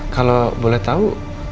kalau boleh tahu